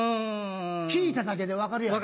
聴いただけで分かるやろ。